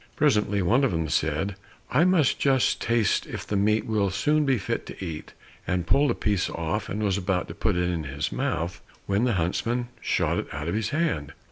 Presently one of them said, "I must just taste if the meat will soon be fit to eat," and pulled a piece off, and was about to put it in his mouth when the huntsman shot it out of his hand.